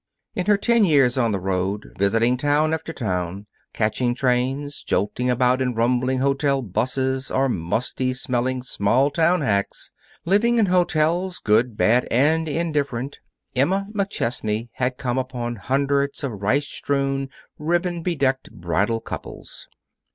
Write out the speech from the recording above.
In her ten years on the road, visiting town after town, catching trains, jolting about in rumbling hotel 'buses or musty smelling small town hacks, living in hotels, good, bad, and indifferent, Emma McChesney had come upon hundreds of rice strewn, ribbon bedecked bridal couples.